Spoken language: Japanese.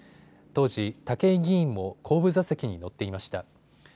当時、武井議員も後部座席に乗っていました。